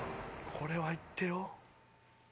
これは行ってよ。